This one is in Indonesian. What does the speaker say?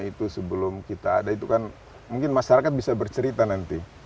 itu sebelum kita ada itu kan mungkin masyarakat bisa bercerita nanti